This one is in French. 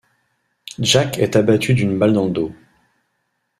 Jack est abattu d’une balle dans le dos.